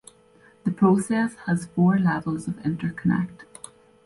The process has four levels of interconnect.